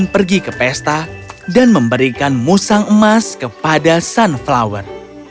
robin pergi ke pesta dan memberikan musang emas kepada sunflower